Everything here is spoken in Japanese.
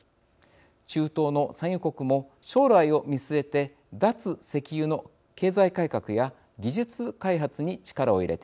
中東の産油国も将来を見据えて脱石油の経済改革や技術開発に力を入れています。